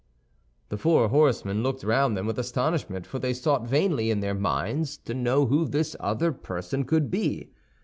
The four horsemen looked round them with astonishment, for they sought vainly in their minds to know who this other person could be.